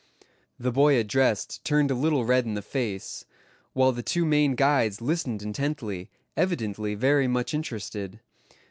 The boy addressed turned a little red in the face; while the two Maine guides listened intently, evidently very much interested.